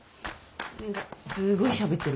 何かすごいしゃべってるけど。